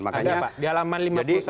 ada apa di alaman lima puluh satu